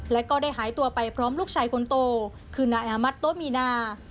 และก็ได้หายตัวไปพร้อมลูกชายคนโตคือนายอามัติโตมีนา